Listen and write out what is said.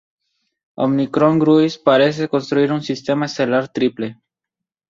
Ómicron Gruis parece constituir un sistema estelar triple.